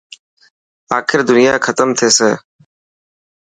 آخر دنيا ختم ٿيسي.